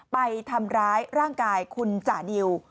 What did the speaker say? ไปทำร้ายร่างกายคุณจานิว